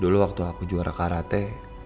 dulu waktu aku juara karate